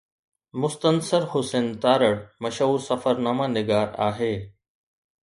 مستنصر حسين تارڙ مشهور سفرناما نگار آهي.